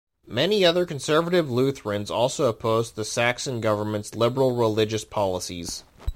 Many other conservative Lutherans also opposed the Saxon government's liberal religious policies.